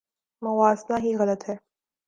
موازنہ ہی غلط ہے۔